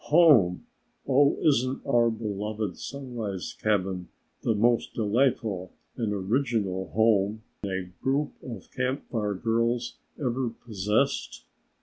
Home! Oh, isn't our beloved Sunrise cabin the most delightful and original home a group of Camp Fire girls ever possessed!"